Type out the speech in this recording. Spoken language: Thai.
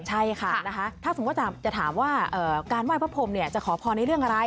ใช่ค่ะนะคะถ้าสมมุติจะถามว่าการไหว้พระพรมจะขอพรในเรื่องอะไร